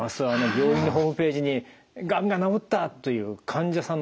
病院のホームページに「がんが治った」という患者さんの体験談。